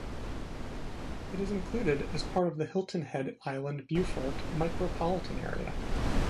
It is included as part of the Hilton Head Island-Beaufort Micropolitan Area.